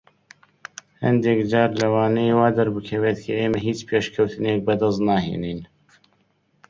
هەندێک جار لەوانەیە وا دەربکەوێت کە ئێمە هیچ پێشکەوتنێک بەدەست ناهێنین.